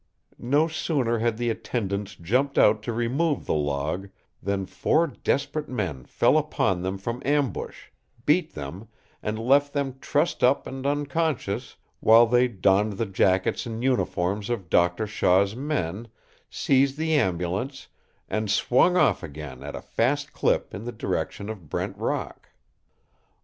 No sooner had the attendants jumped out to remove the log than four desperate men fell upon them from ambush, beat them, and left them trussed up and unconscious, while they donned the jackets and uniforms of Doctor Shaw's men, seized the ambulance, and swung off again at a fast clip in the direction of Brent Rock.